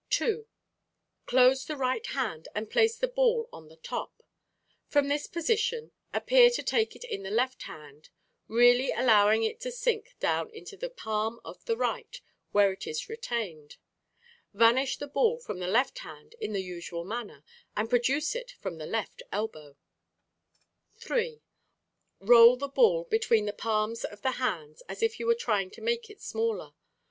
Revolving Ball. 2. Close the right hand and place the ball on the top (as in Fig. 17). From this position appear to take it in the left hand, really allowing it to sink down into the palm of the right, where it is retained. Vanish the ball from the left hand in the usual manner and produce it from the left elbow. Fig. 17. Ball in Position on Right Hand. 3. Roll the ball between the palms of the hands as if you were trying to make it smaller.